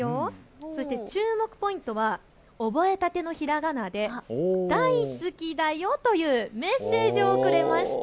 そして注目ポイントは覚えたてのひらがなで大好きだよとメッセージをくれました。